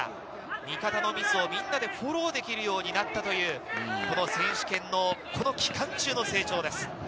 味方のミスをみんなでフォローできるようになったという、この選手権の、この期間中の成長です。